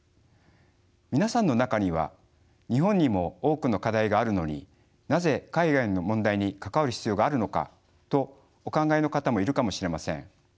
皆さんの中には日本にも多くの課題があるのになぜ海外の問題に関わる必要があるのかとお考えの方もいるかもしれません。